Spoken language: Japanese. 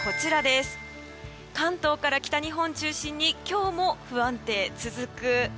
関東から北日本中心に今日も不安定続く。